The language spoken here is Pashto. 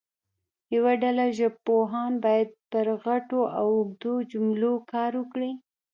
یوه ډله ژبپوهان باید پر غټو او اوږدو جملو کار وکړي.